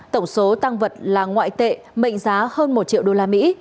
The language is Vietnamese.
tổng số tăng vật là ngoại tệ mệnh giá hơn một triệu usd